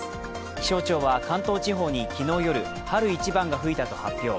気象庁は関東地方に昨日夜春一番が吹いたと発表。